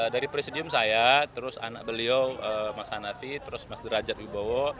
dari presidium saya terus anak beliau mas hanafi terus mas derajat wibowo